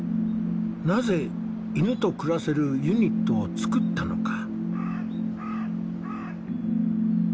なぜ犬と暮らせるユニットを作ったのか。